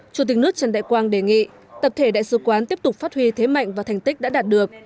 chủ tịch nước trần đại quang đề nghị tập thể đại sứ quán tiếp tục phát huy thế mạnh và thành tích đã đạt được